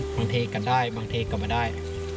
บางทีก็ได้บางทีกลับมาได้